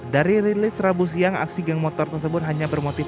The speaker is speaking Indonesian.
dari rilis rabu siang aksi geng motor tersebut hanya bermotif